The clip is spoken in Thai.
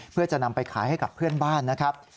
เพื่อจะนำไปขายให้กับเพื่อนบ้านนะครับ